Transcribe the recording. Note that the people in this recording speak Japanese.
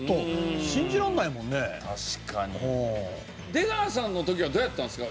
出川さんの時はどうやったんですか？